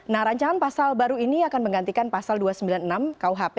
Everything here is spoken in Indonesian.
nah rancangan pasal baru ini akan menggantikan pasal dua ratus sembilan puluh enam kuhp